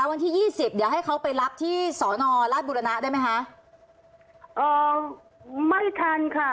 วันที่ยี่สิบเดี๋ยวให้เขาไปรับที่สอนอราชบุรณะได้ไหมคะเอ่อไม่ทันค่ะ